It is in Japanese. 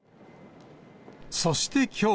そしてきょう。